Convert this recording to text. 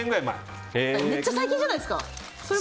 めっちゃ最近じゃないですか。